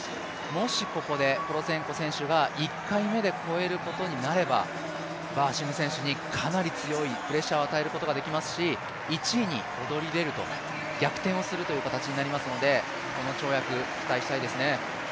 もしここでプロツェンコ選手が１回目で越えることになればバーシム選手にかなり強いプレッシャーを与えることができますし１位に躍り出る、逆転するという形になりますので、この跳躍、期待したいですね。